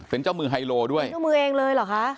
เป็นเจ้ามือไฮโลด้วยเจ้ามือเองเลยเหรอคะ